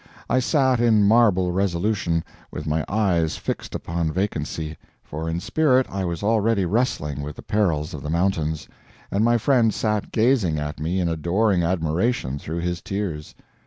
I sat in marble resolution, with my eyes fixed upon vacancy, for in spirit I was already wrestling with the perils of the mountains, and my friend sat gazing at me in adoring admiration through his tears.